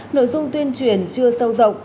nội dung tuyên truyền chưa sâu rộng